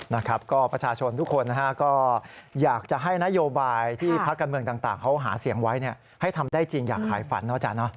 นะครับก็ประชาชนทุกคนนะฮะก็อยากจะให้นโยบายที่พักการเมืองต่างเขาหาเสียงไว้ให้ทำได้จริงอยากขายฝันนะอาจารย์